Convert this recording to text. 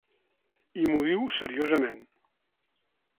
I m’ho diu seriosament.